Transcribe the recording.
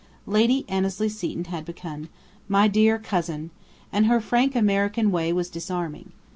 Lady Annesley Seton had begun, "My dear Cousin," and her frank American way was disarming.